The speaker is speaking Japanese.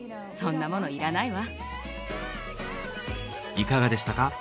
いかがでしたか？